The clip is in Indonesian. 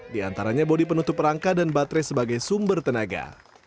di antaranya bodi penutup rangka dan baterai sebagai sumber tenaga